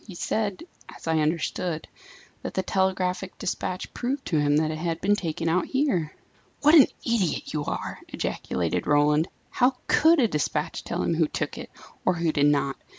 "He said as I understood that the telegraphic despatch proved to him that it had been taken out here." "What an idiot you are!" ejaculated Roland. "How could a despatch tell him who took it, or who did not?